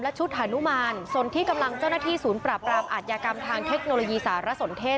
ชุดฮานุมานส่วนที่กำลังเจ้าหน้าที่ศูนย์ปราบรามอาทยากรรมทางเทคโนโลยีสารสนเทศ